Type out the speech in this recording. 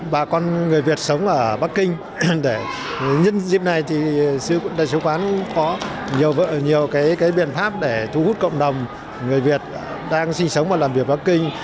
bà con người việt sống ở bắc kinh để nhân dịp này thì đại sứ quán có nhiều cái biện pháp để thu hút cộng đồng người việt đang sinh sống và làm việc bắc kinh